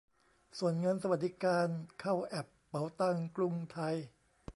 ส่วนเงินสวัสดิการเข้าแอปเป๋าตังค์กรุงไทย